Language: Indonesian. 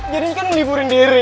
jadi kan meliburin diri